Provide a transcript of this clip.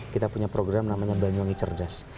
kita punya program namanya banyuwangi cerdas